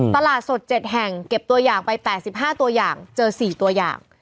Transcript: ตลาดสด๗แห่งเก็บตัวอย่างไป๘๕ตัวอย่างเจอ๔ตัวอย่าง